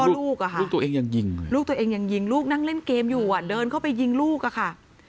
ลูกตัวเองยังยิงลูกตัวเองยังยิงลูกนั่งเล่นเกมอยู่เดินเข้าไปยิงลูกค่ะ